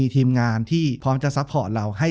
จบการโรงแรมจบการโรงแรม